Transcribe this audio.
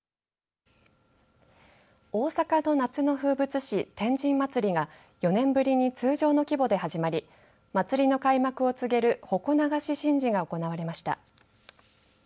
大阪の夏の風物詩天神祭が４年ぶりに通常の規模で始まり祭りの開幕を告げる鉾流神事が行われました。